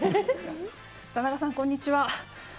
田中さん、こんにちは。